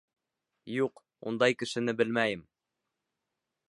Юҡ, ундай кешене белмәйем.